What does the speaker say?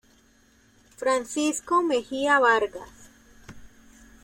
Francisco Mejia Vargas.